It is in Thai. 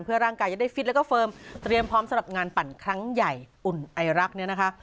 เพื่อร่างกายจะได้ฟิตแล้วก็เฟิร์มเตรียมพร้อมสำหรับงานปั่นครั้งใหญ่อุ่นไอรักเนี่ยนะคะ